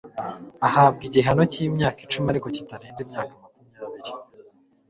ahabwa igihano cy'imyaka icumi, ariko kitarenze imyaka makumyabiri